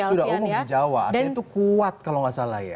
sudah umum di jawa artinya itu kuat kalau nggak salah ya